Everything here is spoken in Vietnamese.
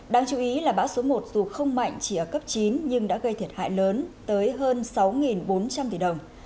đáng chú ý là bão số một dù không mạnh chỉ ở cấp chín nhưng đã gây thiệt hại lớn tới hơn sáu bốn trăm linh tỷ đồng